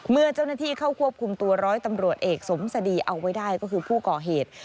เมื่อเจ้าหน้าที่เข้าควบคุมตัวร้อยตำรวจเอกสมสดีเอาไว้ได้ก็คือผู้ก่อเหตุ